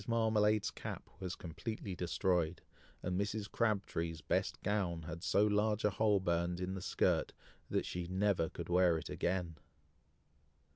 Marmalade's cap was completely destroyed, and Mrs. Crabtree's best gown had so large a hole burned in the skirt, that she never could wear it again!